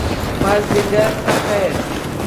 مازدیګر په خیر !